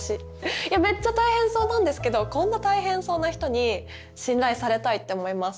いやめっちゃ大変そうなんですけどこんな大変そうな人に信頼されたいって思います。